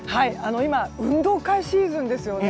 今運動会シーズンですよね